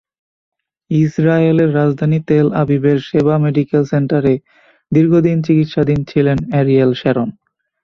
ইসরায়েলের রাজধানী তেল আবিবের শেবা মেডিকেল সেন্টারে দীর্ঘদিন চিকিৎসাধীন ছিলেন অ্যারিয়েল শ্যারন।